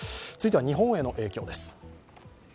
続いては日本への影響です。